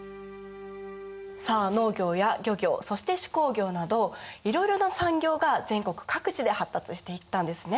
さあ農業や漁業そして手工業などいろいろな産業が全国各地で発達していったんですね。